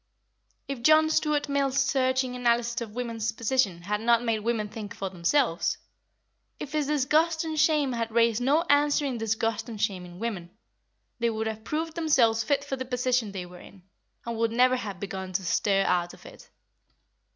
If John Stuart Mill's searching analysis of women's position had not made women think for themselves; if his disgust and shame had raised no answering disgust and shame in women, they would have proved themselves fit for the position they were in, and would never have begun to stir out of it.